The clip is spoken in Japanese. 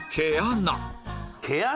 毛穴？